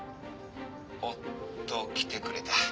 「おっと来てくれた」